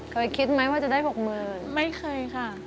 เคยคิดไหมว่าจะได้๖๐๐๐๐บาทคุณยายไม่เคยค่ะ